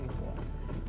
jadi tidak dapat mengontrol